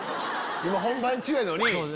今本番中やのに。